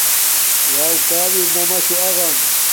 وݳݸ کݳݸ اِرِنݳ مَشُݸ اَغَم.